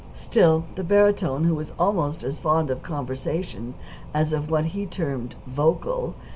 Still the barytone, who was almost as fond of conversation as of what he termed "vocal."